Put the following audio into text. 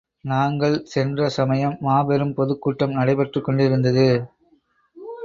நாங்கள் சென்ற சமயம் மாபெரும் பொதுக்கூட்டம் நடைபெற்றுக் கொண்டிருந்தது.